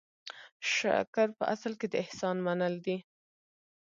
شکر په اصل کې د احسان منل دي.